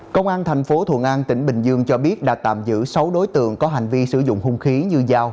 công an thành phố thuận an tỉnh bình dương cho biết đã tạm giữ sáu đối tượng có hành vi sử dụng hung khí như dao